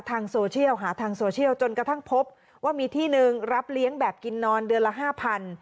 ทางโซเชียลหาทางโซเชียลจนกระทั่งพบว่ามีที่หนึ่งรับเลี้ยงแบบกินนอนเดือนละห้าพัน